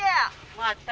待った。